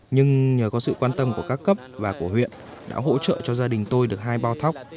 nhưng nhờ có sự quan tâm của các cấp và của huyện đã hỗ trợ cho gia đình tôi được hai bao thóc